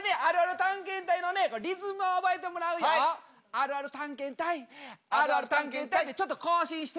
あるある探検隊あるある探検隊ってちょっと行進してもらいます。